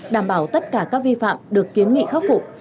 đảm bảo tất cả các vi phạm được kiến nghị khắc phục